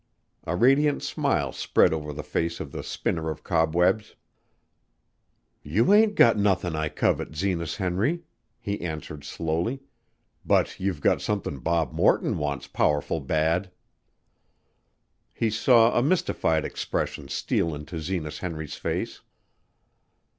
A radiant smile spread over the face of the spinner of cobwebs. "You ain't got nothin' I covet, Zenas Henry," he answered slowly, "but you've got somethin' Bob Morton wants powerful bad." He saw a mystified expression steal into Zenas Henry's face.